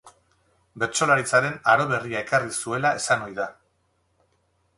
Bertsolaritzaren aro berria erakarri zuela esan ohi da.